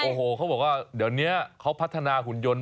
โอ้โหเขาบอกว่าเดี๋ยวนี้เขาพัฒนาหุ่นยนต์